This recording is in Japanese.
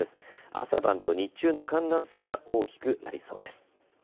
朝晩と日中の寒暖差が大きくなりそうです。